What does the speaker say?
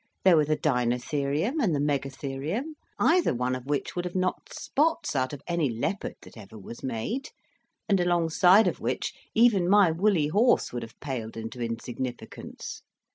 There were the Dinotherium and the Megatherium, either one of which would have knocked spots out of any leopard that ever was made, and along side of which even my woolly horse would have paled into insignificance.